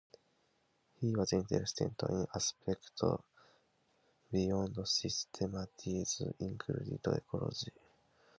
He was interested in aspects beyond systematics including ecology.